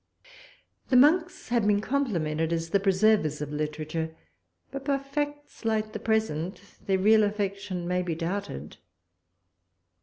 The monks have been complimented as the preservers of literature, but by facts, like the present, their real affection may be doubted.